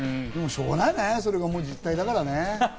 しょうがないね、それが実際だからね。